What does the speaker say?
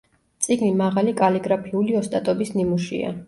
წიგნი მაღალი კალიგრაფიული ოსტატობის ნიმუშია.